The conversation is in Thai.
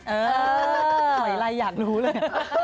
เออหอยอะไรอยากรู้เลย